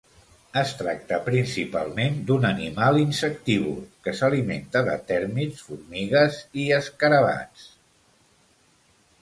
Es tracta principalment d'un animal insectívor que s'alimenta de tèrmits, formigues i escarabats.